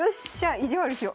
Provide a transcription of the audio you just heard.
意地悪しよ。